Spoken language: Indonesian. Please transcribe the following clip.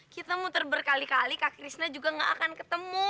kita muter berkali kali kak krishna juga gak akan ketemu